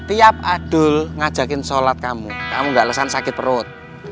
tiap adul ngajakin sholat kamu kamu gak lesan sakit perut